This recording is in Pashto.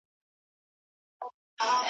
د ھرھوښیار، ھرلیوني نه مې پوښتنه وکړه